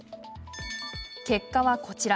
結果はこちら。